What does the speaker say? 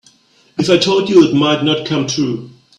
If I told you it might not come true.